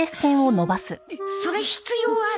それ必要ある？